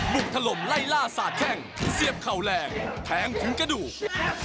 ถล่มไล่ล่าสาดแข้งเสียบเข่าแรงแทงถึงกระดูก